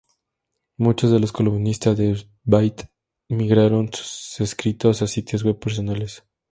Muchos de los columnistas de "Byte" migraron sus escritos a sus sitios web personales.